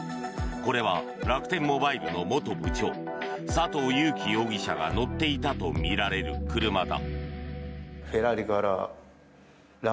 これは楽天モバイルの元部長佐藤友紀容疑者が乗っていたとみられる車だ。